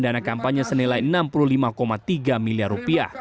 dana kampanye senilai rp enam puluh lima tiga miliar